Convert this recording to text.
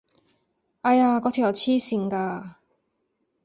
唉呀！果條友痴線㗎！